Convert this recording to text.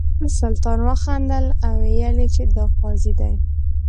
سلطان وخندل او ویل یې دا قاضي دی.